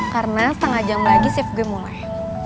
karena setengah jam lagi shift gue mulai